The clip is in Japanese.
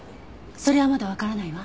それはまだわからないわ。